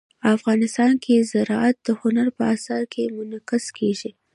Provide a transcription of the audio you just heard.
افغانستان کې زراعت د هنر په اثار کې منعکس کېږي.